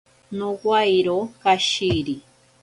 Nowairo kashiri.